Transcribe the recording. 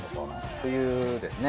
冬ですね。